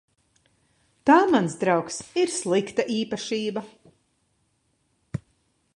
Tā, mans draugs, ir slikta īpašība.